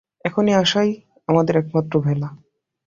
এখন আশাই আমাদের একমাত্র ভেলা।